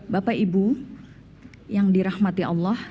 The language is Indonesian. bapak ibu yang dirahmati allah